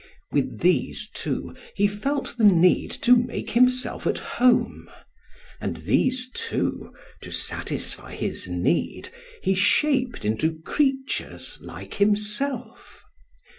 With these too he felt the need to make himself at home, and these too, to satisfy his need, he shaped into creatures like himself.